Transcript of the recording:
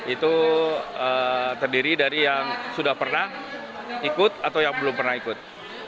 itu terdiri dari yang sudah pernah ikut atau yang belum pernah ikut